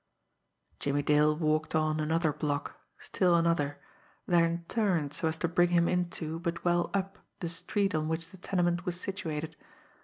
Jimmie Dale walked on another block, still another, then turned so as to bring him into, but well up, the street on which the tenement was situated.